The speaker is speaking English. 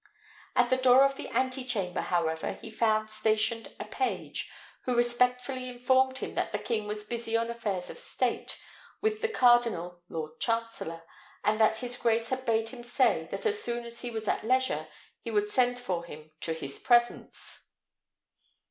At the door of the ante chamber, however, he found stationed a page, who respectfully informed him that the king was busy on affairs of state with the cardinal lord chancellor, and that his grace had bade him say, that as soon as he was at leisure he would send for him to his presence.